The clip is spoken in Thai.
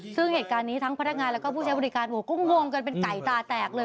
ซึ่งเหตุการณ์นี้ทั้งพนักงานแล้วก็ผู้ใช้บริการหัวกุ้งงงกันเป็นไก่ตาแตกเลย